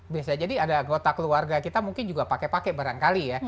biasa jadi ada anggota keluarga kita mungkin juga pakai pakai barangkali ya